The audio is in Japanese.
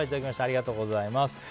ありがとうございます。